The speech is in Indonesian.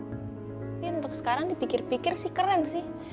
tapi untuk sekarang dipikir pikir sih keren sih